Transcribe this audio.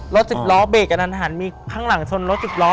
สิบล้อเบรกกระทันหันมีข้างหลังชนรถสิบล้อ